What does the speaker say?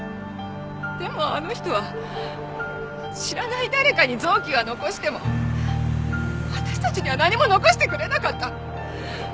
でもあの人は知らない誰かに臓器は残しても私たちには何も残してくれなかった。